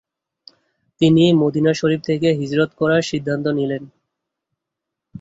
তিনি মদীনা শরীফ থেকে হিজরত করার সিদ্ধান্ত নিলেন।